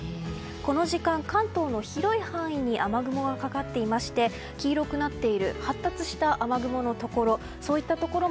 この時間、関東の広い範囲に雨雲がかかっていまして黄色くなっている発達した雨雲のところ。